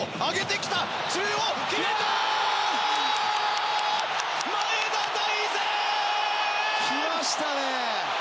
来ましたね！